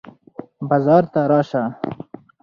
بازار ته راشه.